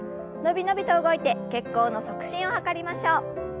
伸び伸びと動いて血行の促進を図りましょう。